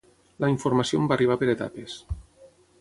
La informació em va arribar per etapes.